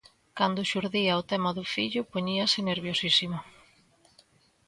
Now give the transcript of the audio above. Cando xurdía o tema do fillo poñíase nerviosísimo.